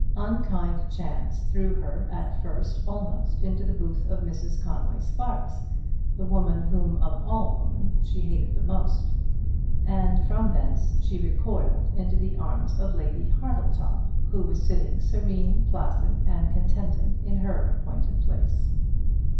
Unkind chance threw her at first almost into the booth of Mrs Conway Sparkes, the woman whom of all women she hated the most; and from thence she recoiled into the arms of Lady Hartletop who was sitting serene, placid, and contented in her appointed place.